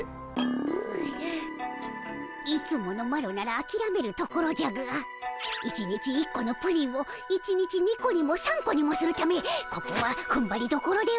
うぐいつものマロならあきらめるところじゃが１日１個のプリンを１日２個にも３個にもするためここはふんばりどころでおじゃる。